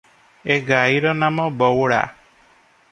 ଏ ଗାଈର ନାମ ବଉଳା ।